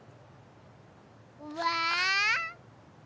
うわ